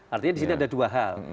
artinya di sini ada dua hal